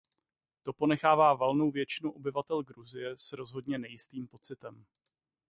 To ponechává valnou většinu obyvatel Gruzie s rozhodně nejistým pocitem.